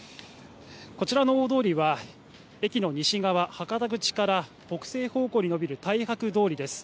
こちらの大通りは駅の西側、博多口から北西方向にのびるたいはくどおりです。